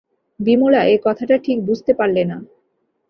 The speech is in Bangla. বিমলা এ কথাটা ঠিক বুঝতে পারলে না।